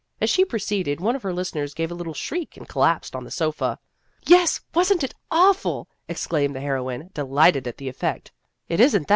As she proceeded, one of her listeners gave a little shriek, and collapsed on the sofa. " Yes, was n't it awful !" exclaimed the heroine, delighted at the effect. " It is n't that."